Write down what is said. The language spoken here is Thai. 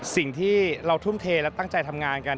สิ่งที่เราทุ่มเทและตั้งใจทำงานกัน